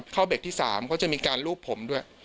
ข้อเบกที่๓ก็จะมีการลูบผมด้วย